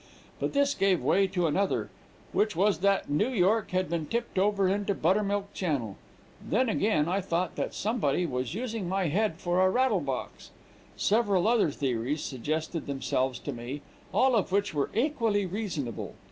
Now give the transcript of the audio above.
But this gave way to another, which was that New York had been tipped over into Buttermilk Channel; then again, I thought that somebody was using my head for a rattle box; several other theories suggested themselves to me, all of which were equally reasonable.